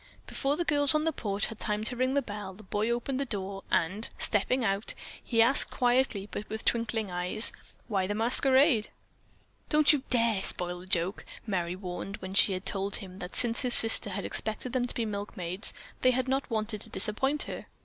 Before the girls on the porch had time to ring the bell, the boy opened the door and, stepping out, he asked quietly but with twinkling eyes: "Why the masquerade?" "Don't you dare to spoil the joke?" Merry warned when she had told him that since his sister had expected them to be milkmaids, they had not wanted to disappoint her.